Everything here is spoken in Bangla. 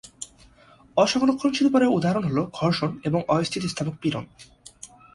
অ-সংরক্ষণশীল বলের উদাহরণ হলঃ ঘর্ষণ এবং অ-স্থিতিস্থাপক পীড়ন।